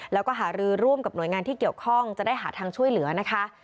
แล้วก็หารือร่วมกับหน่วยงานที่เกี่ยวข้องจะได้หาทางช่วยเหลือนะคะ